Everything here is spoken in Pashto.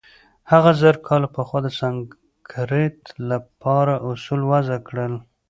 هغه زرکال پخوا د سانسکریت له پاره اوصول وضع کړل.